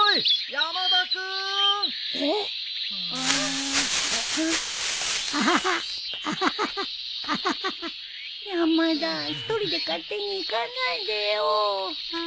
山田一人で勝手に行かないでよ。